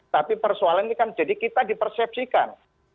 tapi persoalan ini kan jadi kita dipersepsikan